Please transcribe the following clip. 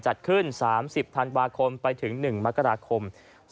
จัดขึ้น๓๐ธันวาคมไปถึง๑มกราคม